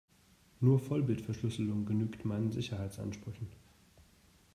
Nur Vollbitverschlüsselung genügt meinen Sicherheitsansprüchen.